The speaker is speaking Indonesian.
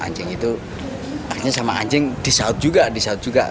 anjing itu akhirnya sama anjing disaut juga disaut juga